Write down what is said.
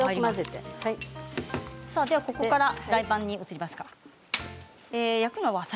ここからフライパンに移りますか。